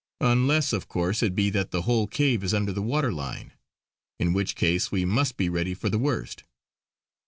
Unless of course it be that the whole cave is under the water line; in which case we must be ready for the worst."